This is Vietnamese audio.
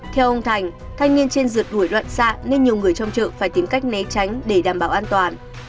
theo ông thành thanh niên trên dượt đuổi đoạn xa nên nhiều người trong chợ phải tìm cách né tránh để đảm bảo an toàn